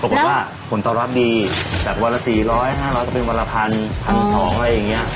ผลตอบรับดีจากวันละ๔๐๐๕๐๐ก็เป็นวันละพัน๑๒๐๐อะไรอย่างนี้